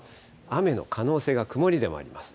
雨の可能性が曇りでもあります。